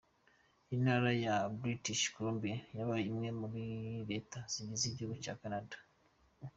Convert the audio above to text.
Intara ya British Columbia yabaye imwe muri Leta zigize igihugu cya Canada.